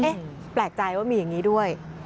แปลกใจว่ามีอย่างนี้ด้วย